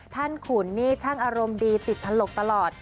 ขุนนี่ช่างอารมณ์ดีติดถลกตลอด